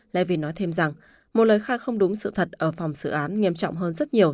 lại vì nói thêm rằng một lời khai không đúng sự thật ở phòng xử án nghiêm trọng hơn rất nhiều